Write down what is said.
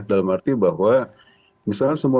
dalam arti bahwa misalnya kita punya satu perusahaan